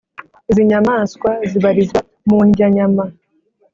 Izi nyamanswa zibarizwa mu ndyanyama